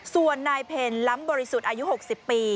ส่วนนายเพลล้ำบริสุทธิ์อายุ๖๐ปี